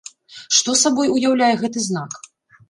Што сабой уяўляе гэты знак?